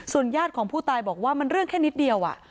ญาติของผู้ตายบอกว่ามันเรื่องแค่นิดเดียว